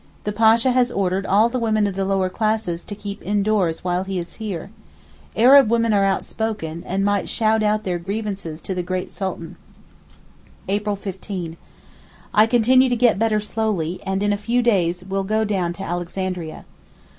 The Pasha has ordered all the women of the lower classes to keep indoors while he is here. Arab women are outspoken, and might shout out their grievances to the great Sultan. April 15.—I continue to get better slowly, and in a few days will go down to Alexandria.